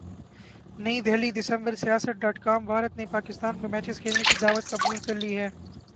نئی دہلی دسمبر Siasat dot com Bharat نے پاکستان میں میچز کھیلنے کی دعوت قبول کر لی ہے